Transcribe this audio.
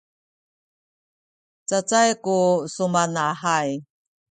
cacay ku sumanahay